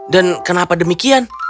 dan kenapa demikian